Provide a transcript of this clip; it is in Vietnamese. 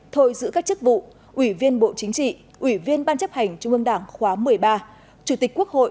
thôi giữ các chức vụ ủy viên bộ chính trị ủy viên ban chấp hành trung ương đảng khóa một mươi ba chủ tịch quốc hội